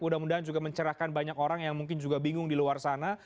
mudah mudahan juga mencerahkan banyak orang yang mungkin juga bingung di luar sana